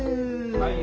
はい。